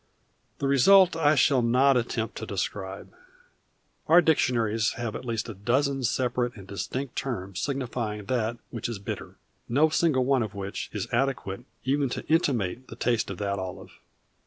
The result I shall not attempt to describe. Our dictionaries have at least a dozen separate and distinct terms signifying that which is bitter, no single one of which is adequate even to intimate the taste of that olive.